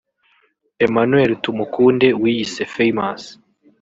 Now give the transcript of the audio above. Emmanuel Tumukunde wiyise Famous